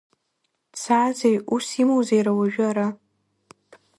Дзаазеи, усс имоузеи иара уажәы ара?